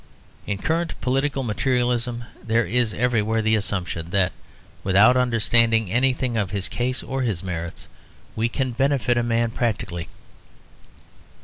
In current political materialism there is everywhere the assumption that, without understanding anything of his case or his merits, we can benefit a man practically.